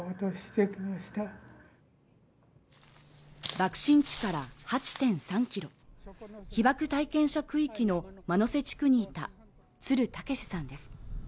爆心地から８．３ｋｍ被爆体験者区域の間の瀬地区にいた鶴武さんです